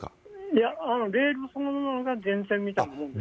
いや、レールそのものが電線みたいなもんです。